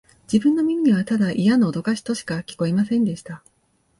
自分の耳には、ただイヤなおどかしとしか聞こえませんでした